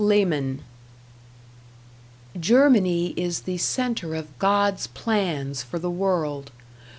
Lehmann: Germany is the center of God's plans for the world.